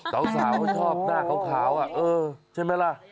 สาวสาวไม่ชอบหน้าขาวอ่ะเออใช่ไหมล่ะ